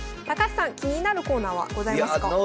高橋さん気になるコーナーはございますか？